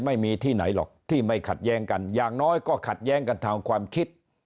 ไม่มีที่ไหนหรอกที่ไม่ขัดแย้งกันอย่างน้อยก็ขัดแย้งกันทางความคิด